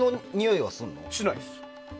しないです。